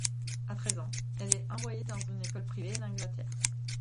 A treize ans, elle est envoyée dans une école privée en Angleterre.